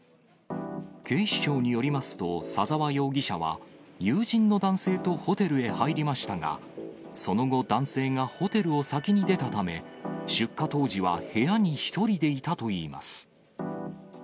警視庁によりますと、左沢容疑者は、友人の男性とホテルへ入りましたが、その後、男性がホテルを先に出たため、出火当時は部屋に１人でいたといいます。